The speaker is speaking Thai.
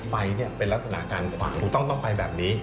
ไฟเป็นลักษณะการขวางถูกต้องต้องไปแบบนี้